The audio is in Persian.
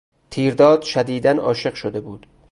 تیرداد شدیدا عاشق شده بود.